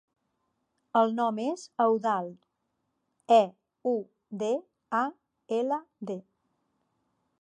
El nom és Eudald: e, u, de, a, ela, de.